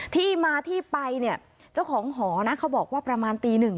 ที่มาที่ไปเนี่ยเจ้าของหอนะเขาบอกว่าประมาณตีหนึ่ง